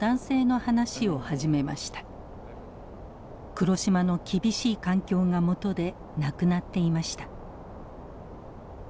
黒島の厳しい環境がもとで亡くなっていました。